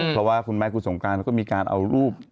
เพราะว่าคุณแม่คุณสงการก็มีการเอารูป